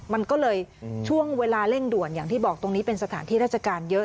มันก็เลยช่วงเวลาเร่งด่วนอย่างที่บอกตรงนี้เป็นสถานที่ราชการเยอะ